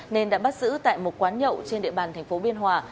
nên đã bắt giữ tại một quán nhậu trên địa bàn thành phố biên hòa